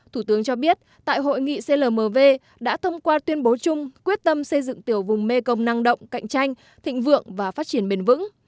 thủ tướng cho biết tại hội nghị clmv đã thông qua tuyên bố chung quyết tâm xây dựng tiểu vùng mekong năng động cạnh tranh thịnh vượng và phát triển bền vững